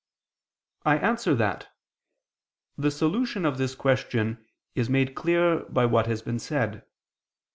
I answer that, The solution of this question is made clear by what has been said.